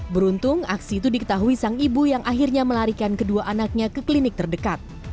beruntung aksi itu diketahui sang ibu yang akhirnya melarikan kedua anaknya ke klinik terdekat